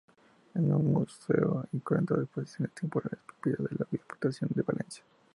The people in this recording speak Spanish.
Es un museo y centro de exposiciones temporales propiedad de la Diputación de Valencia.